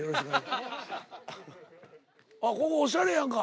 ここおしゃれやんか。